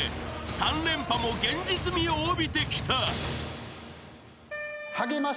［３連覇も現実味を帯びてきた］